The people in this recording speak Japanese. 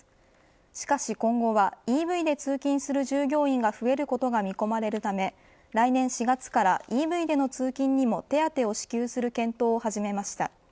しかし今後はＥＶで通勤する従業員が増えることが見込まれるため来年４月からＥＶでの通勤にも手当を支給する検討を始めました。